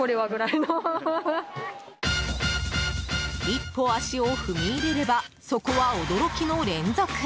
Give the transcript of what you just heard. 一歩足を踏み入れればそこは驚きの連続！